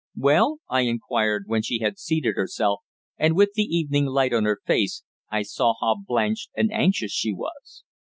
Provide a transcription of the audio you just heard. "Well?" I inquired, when she had seated herself, and, with the evening light upon her face, I saw how blanched and anxious she was.